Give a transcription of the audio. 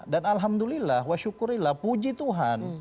dan alhamdulillah wa syukurillah puji tuhan